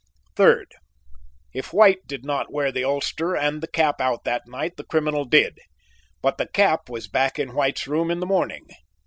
"3d. If White did not wear the ulster and the cap out that night the criminal did, but the cap was back in White's room in the morning.